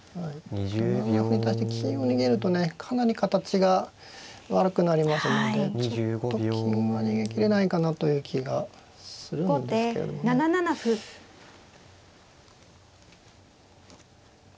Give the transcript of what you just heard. ７七歩に対して金を逃げるとねかなり形が悪くなりますのでちょっと金は逃げきれないかなという気がするんですけれどもね。